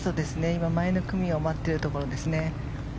今、前の組を待っているところですね。